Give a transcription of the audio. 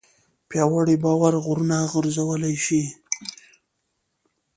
پیاوړی باور غرونه خوځولی شي.